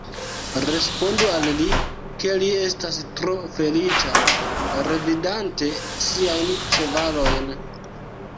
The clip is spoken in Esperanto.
Respondu al li, ke li estas tro feliĉa, revidante siajn ĉevalojn.